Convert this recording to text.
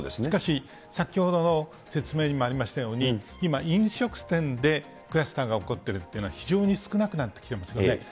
しかし、先ほどの説明にもありましたように、今、飲食店でクラスターが起こっているというのは、非常に少なくなってきていますよね。